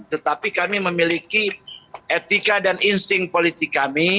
tetapi kami memiliki etika dan insting politik kami